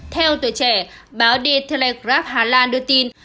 theo tuổi trẻ báo the telegraph hà lan đưa tin